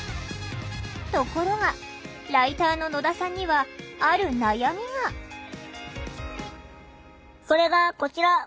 ところがライターの野田さんにはそれがこちら！